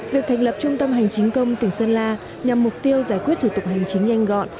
việc thành lập trung tâm hành chính công tỉnh sơn la nhằm mục tiêu giải quyết thủ tục hành chính nhanh gọn